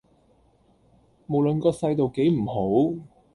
無論個世道幾唔好